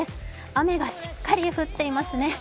雨がしっかり降っていますね。